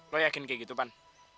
lo yakin kayak gitu pan